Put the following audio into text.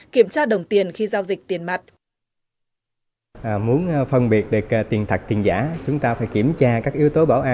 kiểm tra đồng tiền khi giao dịch tiền mặt